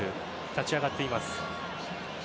立ち上がっています。